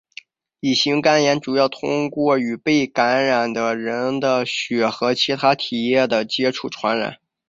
乙型肝炎主要通过与被感染的人的血和其它体液的接触传染。